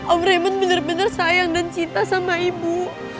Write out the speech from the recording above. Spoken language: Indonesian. om raymond bener bener sayang dan cinta sama ibu